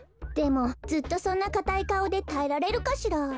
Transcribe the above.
でもずっとそんなかたいかおでたえられるかしら？